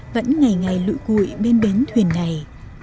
vẫn ngày ngày lụi gụi bên bến thuyền này